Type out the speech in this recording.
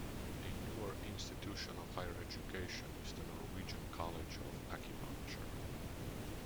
A newer institution of higher education is the Norwegian College of Acupuncture.